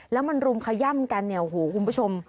แล้วมันรุมขย่ำการเหนี่ยวหูคุณผู้ชม